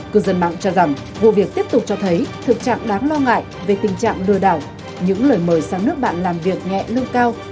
cư dân mạng cho rằng vụ việc tiếp tục cho thấy thực trạng đáng lo ngại về tình trạng lừa đảo những lời mời sang nước bạn làm việc nhẹ lương cao